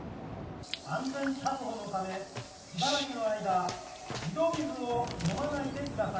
安全確保のためしばらくの間井戸水を飲まないでください。